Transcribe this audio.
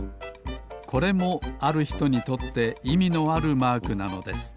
これもあるひとにとっていみのあるマークなのです。